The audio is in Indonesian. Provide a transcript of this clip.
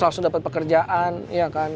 langsung dapat pekerjaan iya kan